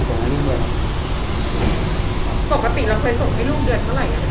ปกติเราเคยส่งให้รูและเงินเท่าไหร่อะ